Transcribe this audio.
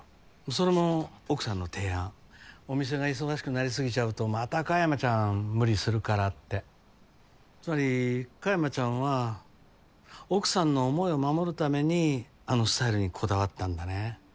それも奥さんの提案お店が忙しくなりすぎちゃうとまた香山ちゃん無理するからってつまり香山ちゃんは奥さんの思いを守るためにあのスタイルにこだわったんだね